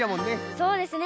そうですね。